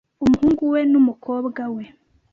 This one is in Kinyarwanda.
umuhungu we n'umukobwa we .